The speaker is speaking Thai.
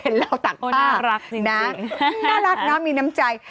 น่ารักน้ามีน้ำใจ